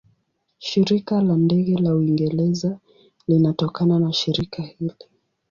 Shirika la Ndege la Uingereza linatokana na shirika hili.